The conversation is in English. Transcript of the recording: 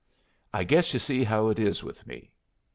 "I guess you see how it is with me.